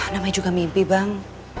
namanya juga mimpi bang